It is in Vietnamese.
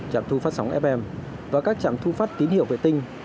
trạm thu phát sóng fm và các trạm thu phát tín hiệu vệ tinh